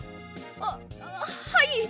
あっはい！